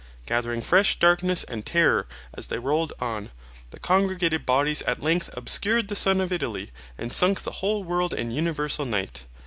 Gathering fresh darkness and terror as they rolled on, the congregated bodies at length obscured the sun of Italy and sunk the whole world in universal night.